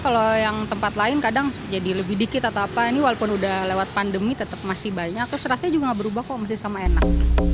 kalau yang tempat lain kadang jadi lebih dikit atau apa ini walaupun udah lewat pandemi tetap masih banyak terus rasanya juga nggak berubah kok masih sama enak